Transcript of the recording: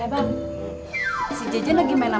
udah jejen capek